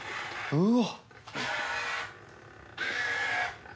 うわ。